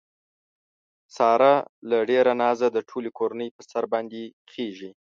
ساره له ډېره نازه د ټولې کورنۍ په سر باندې خېژي.